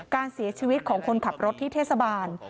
การเสียชีวิตของคนขับรถที่เทศบาล